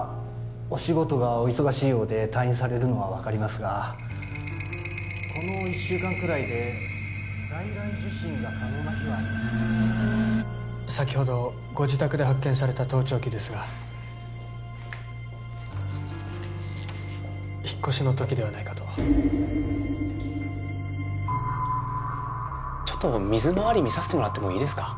お仕事がお忙しいようで退院されるのは分かりますがこの１週間くらいで外来受診が可能な日は先ほどご自宅で発見された盗聴器ですが引っ越しの時ではないかとちょっと水まわり見させてもらってもいいですか？